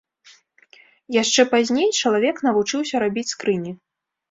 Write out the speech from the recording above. Яшчэ пазней чалавек навучыўся рабіць скрыні.